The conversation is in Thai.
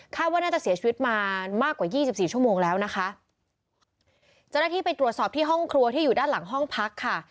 ว่าน่าจะเสียชีวิตมามากกว่ายี่สิบสี่ชั่วโมงแล้วนะคะเจ้าหน้าที่ไปตรวจสอบที่ห้องครัวที่อยู่ด้านหลังห้องพักค่ะ